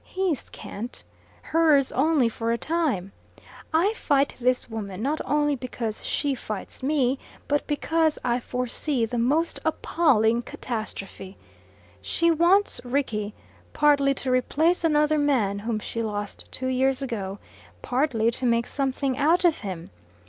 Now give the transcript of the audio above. His can't. Hers only for a time. I fight this woman not only because she fights me, but because I foresee the most appalling catastrophe. She wants Rickie, partly to replace another man whom she lost two years ago, partly to make something out of him.